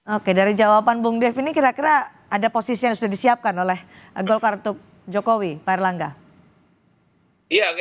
oke dari jawaban bung dev ini kira kira ada posisi yang sudah disiapkan oleh golkar untuk jokowi pak erlangga